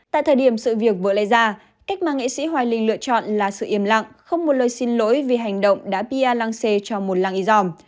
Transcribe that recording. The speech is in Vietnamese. tại thời điểm sự việc vỡ lây ra cách mà nghị sĩ hoài linh lựa chọn là sự im lặng không một lời xin lỗi vì hành động đã bia lăng xê cho một lăng y dòm